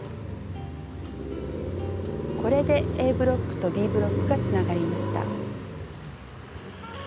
これでＡブロックとＢブロックがつながりました。